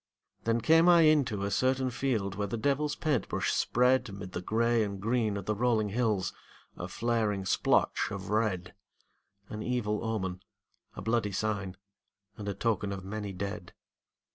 Then came I into a certain field Where the devil's paint brush spread 'Mid the gray and green of the rolling hills A flaring splotch of red, An evil omen, a bloody sign, And a token of many dead.